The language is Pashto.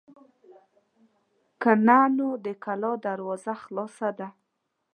که نه نو د کلا دروازه خلاصه ده.